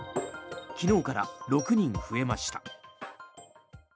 昨日から６人増えました。